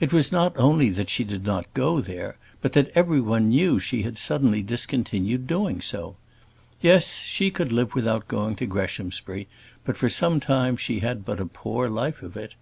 It was not only that she did not go there, but that everyone knew that she had suddenly discontinued doing so. Yes, she could live without going to Greshamsbury; but for some time she had but a poor life of it.